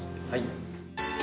はい。